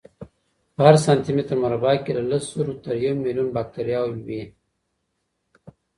په هر سانتي متر مربع کې له لسو زرو تر یو میلیون باکتریاوې وي.